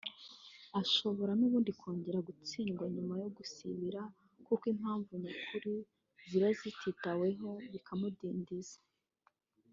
ashobora nubundi kongera gutsindwa nyuma yo gusibira kuko impamvu nyakuri ziba zititaweho bikamudindiza